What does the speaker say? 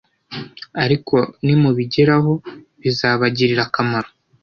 ariko nimubigeraho bizabagirira akamaro